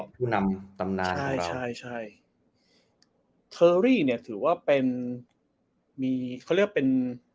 รู้หนำตามนานใช่ใช่โอได้้ก็เลยถือว่าเป็นมีพอเรียบไปเป็น